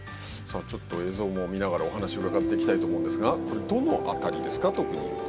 ちょっと映像も見ながらお話伺ってきたいと思いますがどのあたりですか特に。